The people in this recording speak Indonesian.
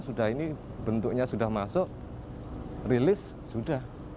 sudah ini bentuknya sudah masuk rilis sudah